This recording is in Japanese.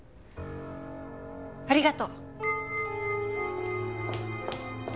ありがとう。